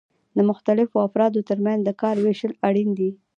د مختلفو افرادو ترمنځ د کار ویشل اړین دي.